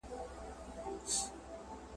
په هند کې د نسخو پېژندنې لپاره اسانتیاوې سته.